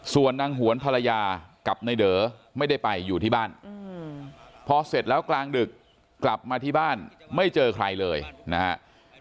ส่วนนางหวนภรรยากับนายเด๋อไม่ได้ไปอยู่ที่บ้านพอเสร็จแล้วกลางดึกกลับมาที่บ้านไม่เจอใครเลยนะครับ